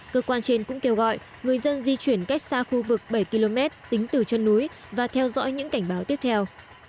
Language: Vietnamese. cơ quan trên cũng kêu gọi người dân di chuyển cách xa khu vực bảy km tính từ chân núi và theo dõi những cảnh báo tiếp theo